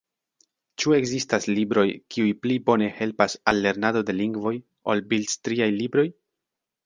Ĉu ekzistas libroj, kiuj pli bone helpas al lernado de lingvoj, ol bildstriaj libroj?